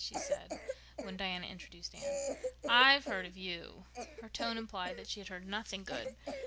she said, when Diana introduced Anne. "I've heard of you." Her tone implied that she had heard nothing good.